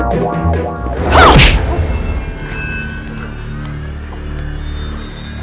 saya akan menang